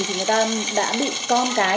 thì người ta đã bị con cái